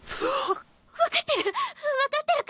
はっ！分かってる。